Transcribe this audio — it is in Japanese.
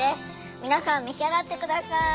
皆さん召し上がって下さい。